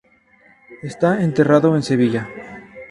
Está enterrado en Sevilla.